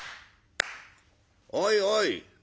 「おいおい」。